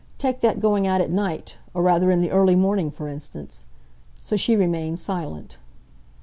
Take that going out at night, or rather in the early morning, for instance? So she remained silent.